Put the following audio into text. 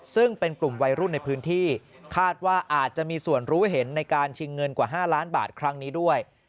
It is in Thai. ซึ่งเป็นกลุ่มวัยรุ่นในพื้นที่คาดว่าอาจจะมีส่วนรู้เห็นในการชิงเงินกว่า๕ล้านบาทครั้งนี้ด้วย